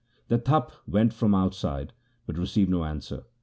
The Tapa called from outside, but received no answer.